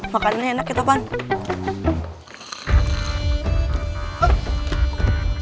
makanan enak ya temen kamu